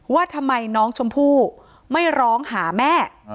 ว่าทำไมน้องชมพู่ไม่ร้องหาแม่